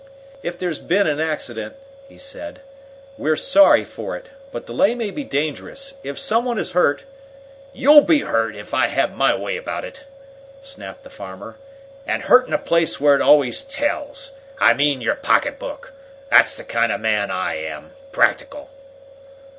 "If there's been an accident," he said, "we're sorry for it. But delay may be dangerous. If some one is hurt " "You'll be hurt, if I have my way about it!" snapped the farmer, "and hurt in a place where it always tells. I mean your pocketbook! That's the kind of a man I am practical."